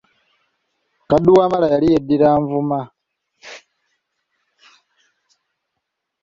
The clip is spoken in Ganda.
Kadduwamala yali yeddira Nvuma.